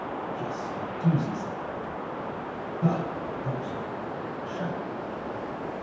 "Yes, you do see something." "Ah! of course, a shadow ...